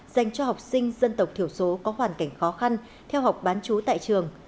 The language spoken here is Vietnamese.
dành cho học sinh dân tộc thiểu số có hoàn cảnh khó khăn theo học bán chú tại trường